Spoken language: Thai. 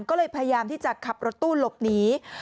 ก็เลยพยายามที่จะขับรถตู้หลบหนี